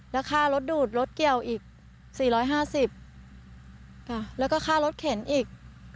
แล้วค่ารถดูดรถเกี่ยวอีก๔๕๐แล้วก็ค่ารถเข็นอีก